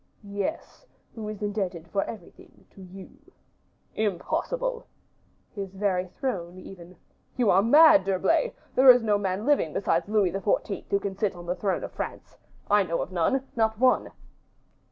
"Yes, who is indebted for everything to you." "Impossible." "His very throne, even." "You are mad, D'Herblay. There is no man living besides Louis XIV. who can sit on the throne of France. I know of none, not one."